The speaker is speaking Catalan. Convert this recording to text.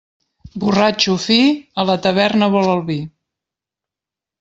Borratxo fi, a la taverna vol el vi.